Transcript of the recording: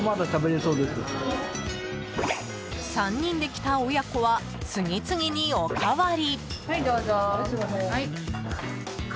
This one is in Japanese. ３人で来た親子は次々におかわり。